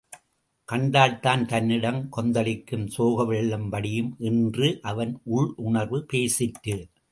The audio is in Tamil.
கண்டால்தான் தன்னிடம் கொந்தளிக்கும் சோகவெள்ளம் வடியும் என்று அவன் உள் உணர்வு பேசிற்று.